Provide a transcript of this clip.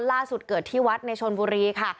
ล่าสุดเกิดที่วัดในชนบุรีค่ะ